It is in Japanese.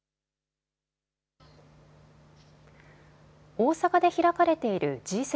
大阪で開かれているＧ７